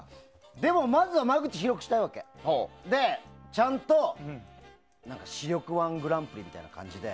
でも、まずは間口を広くしたいわけ。ちゃんと視力‐１グランプリみたいな感じで。